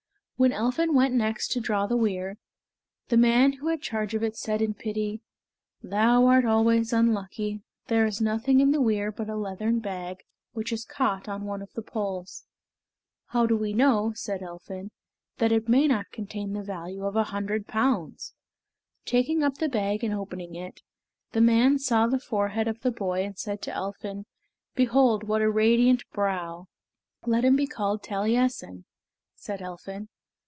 When Elphin went next to draw the weir, the man who had charge of it said in pity, "Thou art always unlucky; there is nothing in the weir but a leathern bag, which is caught on one of the poles." "How do we know," said Elphin, "that it may not contain the value of a hundred pounds?" Taking up the bag and opening it, the man saw the forehead of the boy and said to Elphin, "Behold, what a radiant brow" (Taliessin). "Let him be called Taliessin," said Elphin.